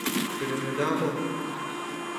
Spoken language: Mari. Кырынеда мо?